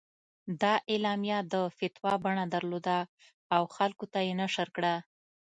دا اعلامیه د فتوا بڼه درلوده او خلکو ته یې نشر کړه.